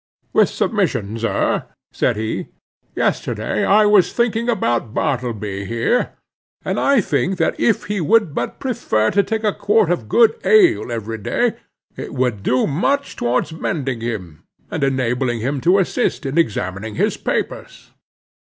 "With submission, sir," said he, "yesterday I was thinking about Bartleby here, and I think that if he would but prefer to take a quart of good ale every day, it would do much towards mending him, and enabling him to assist in examining his papers."